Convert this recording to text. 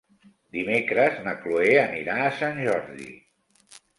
Dimecres na Chloé anirà a Sant Jordi.